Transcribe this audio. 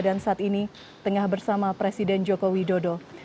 dan saat ini tengah bersama presiden joko widodo